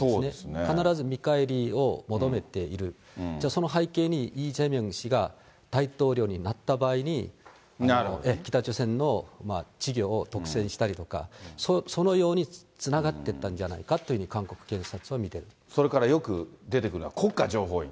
必ず見返りを求めている、じゃあ、その背景にイ・ジェミョン氏が大統領になった場合に、北朝鮮の事業を独占したりとか、そのようにつながってたんじゃないかというふうに韓国検察は見てそれからよく出てくるのは、国家情報院。